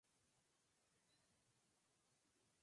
Ha sido calificado como "el manifiesto del Renacimiento".